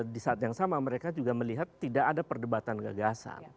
di saat yang sama mereka juga melihat tidak ada perdebatan gagasan